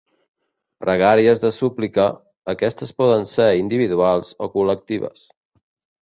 Pregàries de súplica, aquestes poden ser individuals o col·lectives.